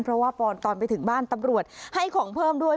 เพราะว่าปอนตอนไปถึงบ้านตำรวจให้ของเพิ่มด้วย